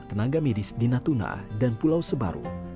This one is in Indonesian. tenaga medis di natuna dan pulau sebaru